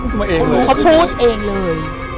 เขาพูดเองเลย